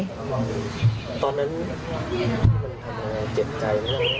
ตอนนั้นเจ็บใจอย่างไร